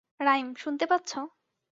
Rhyme, শুনতে পাচ্ছ?